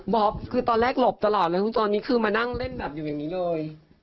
อบคือตอนแรกหลบตลอดเลยคุณตอนนี้คือมานั่งเล่นแบบอยู่อย่างนี้เลย